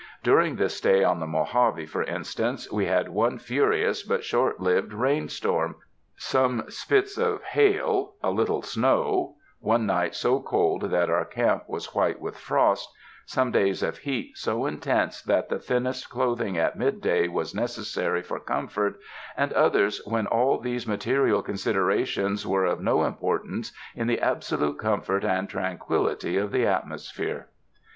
During this stay on the Mojave, for instance, we had one furious but short lived rain storm, some spits of hail, a little snow, one night so cold that our camp was white with frost, some days of heat so intense that the thinnest clothing at midday was necessary for com fort, and others when all these material considera tions were of no importance in the absolute comfort and tranquillity of the atmosphere.